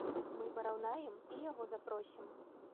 Мы параўнаем, і яго запросім!